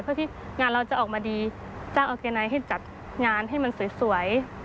เพื่อที่งานเราจะออกมาดีจ้างออร์แกไนท์ให้จัดงานให้มันสวย